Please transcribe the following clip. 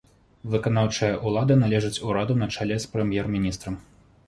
Выканаўчая ўлада належыць ураду на чале з прэм'ер-міністрам.